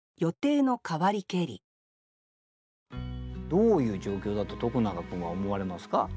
どういう状況だと徳永君は思われますか？